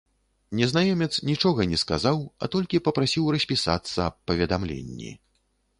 Незнаёмец нічога не сказаў, а толькі папрасіў распісацца аб паведамленні.